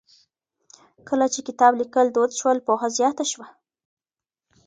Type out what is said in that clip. کله چې کتاب ليکل دود شول، پوهه زياته شوه.